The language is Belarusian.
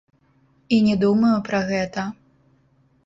І не думаю пра гэта.